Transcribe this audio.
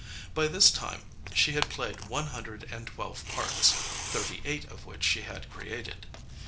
By this time she had played one hundred and twelve parts, thirty eight of which she had created.